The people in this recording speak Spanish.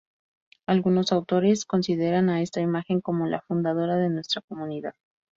Algunos autores consideran a esta imagen como la fundadora de nuestra comunidad.